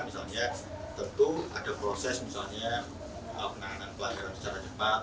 misalnya tentu ada proses misalnya penanganan pelanggaran secara cepat